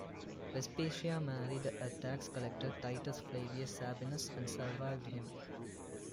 Vespasia married a tax collector Titus Flavius Sabinus, and survived him.